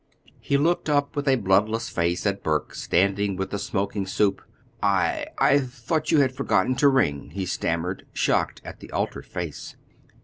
He looked up with a bloodless face at Burke standing with the smoking soup. "I I thought you had forgotten to ring," he stammered, shocked at the altered face.